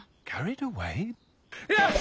よし！